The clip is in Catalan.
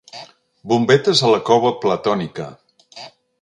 Bombetes a la cova platònica.